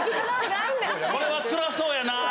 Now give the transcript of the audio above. それはつらそうやなぁ。